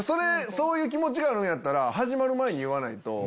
そういう気持ちがあるなら始まる前に言わないと。